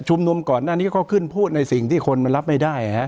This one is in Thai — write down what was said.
มนุนก่อนหน้านี้ก็ขึ้นพูดในสิ่งที่คนมันรับไม่ได้